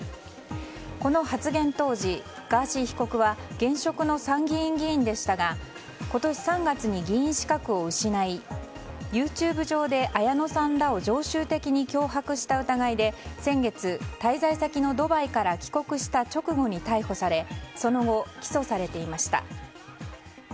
この発言当時、ガーシー被告は現職の参議院議員でしたが今年３月に議員資格を失いＹｏｕＴｕｂｅ上で綾野さんらを常習的に脅迫した疑いで先月、滞在先のドバイから帰国した直後に逮捕されその後、起訴されていました。